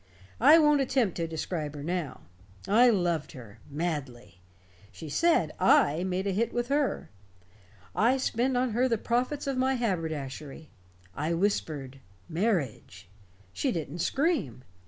I won't attempt to describe her now. I loved her madly. She said I made a hit with her. I spent on her the profits of my haberdashery. I whispered marriage. She didn't scream.